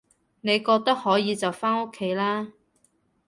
你覺得可以就返屋企啦